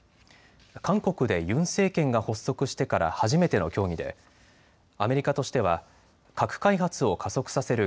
韓国でユン政権が発足してから初めての協議でアメリカとしては核開発を加速させる